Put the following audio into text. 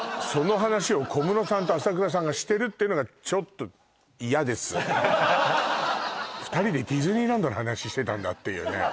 その話を小室さんと浅倉さんがしてるっていうのがちょっと２人でディズニーランドの話してたんだっていうね